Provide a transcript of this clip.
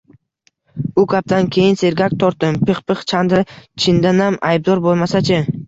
Bu gapdan keyin sergak tortdim – Pixpix Chandr chindanam aybdor bo‘lmasa-chi?